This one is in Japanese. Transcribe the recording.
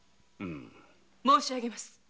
・申し上げます。